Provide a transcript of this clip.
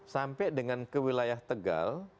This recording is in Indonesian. sampai dengan ke wilayah tegal